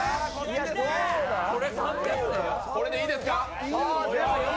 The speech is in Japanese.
これでいいですか？